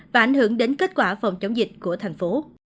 và ảnh hưởng đến kết quả phòng chống dịch của thành phố